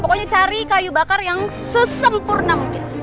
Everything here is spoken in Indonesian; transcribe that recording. pokoknya cari kayu bakar yang sesempurna mungkin